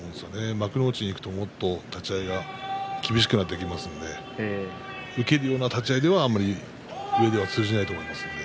幕内にいくともっと立ち合いが厳しくなってきますので受けるような立ち合いでは通じないと思いますね。